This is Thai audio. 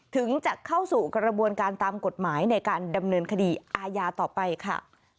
ถึงจะเข้าสู่กระบวนการตามกฎหมายในการดำเนินคดีอาญาต่อไปค่ะ